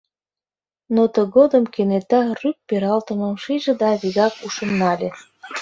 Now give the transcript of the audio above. Но тыгодым кенета рӱп пералтымым шиже да вигак ушым нале.